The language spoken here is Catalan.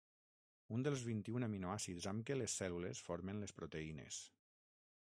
Un dels vint-i-un aminoàcids amb què les cèl·lules formen les proteïnes.